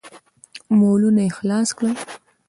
مولونه يې خلاص کړل.